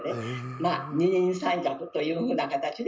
まあ二人三脚というふうな形で。